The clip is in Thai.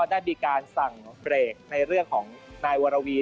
ได้มีการสั่งเบรกในเรื่องของนายวรวี